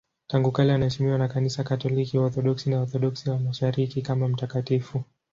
Tangu kale anaheshimiwa na Kanisa Katoliki, Waorthodoksi na Waorthodoksi wa Mashariki kama mtakatifu.